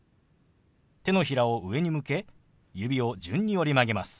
手のひらを上に向け指を順に折り曲げます。